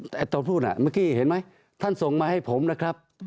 แต่ตอนพูดเมื่อกี้เห็นไหมท่านส่งมาให้ผมนะครับ